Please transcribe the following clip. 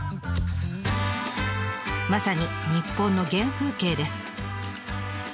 まさに日本の原風景です。